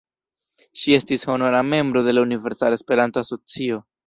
Ŝi estis honora membro de la Universala Esperanto-Asocio.